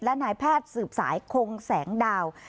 และนายแพทย์สืบสายคงแสงดาว